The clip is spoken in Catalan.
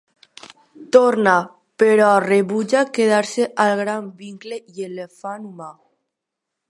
Torna però rebutja quedar-se al Gran Vincle, i el fan humà.